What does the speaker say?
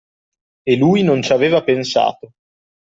E lui non ci aveva pensato.